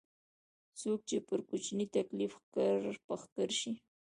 څوک چې پر کوچني تکليف ښکر په ښکر شي.